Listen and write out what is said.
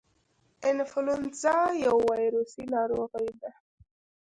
انفلونزا یو ویروسي ناروغي ده